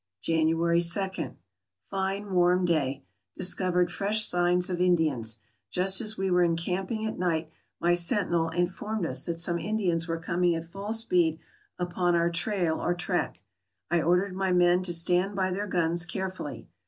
January 2. — Fine, warm day. Discovered fresh signs of Indians. Just as we were encamping at night, my senti nel informed us that some Indians were coming at full speed upon our trail or track. I ordered my men to stand by their guns carefully.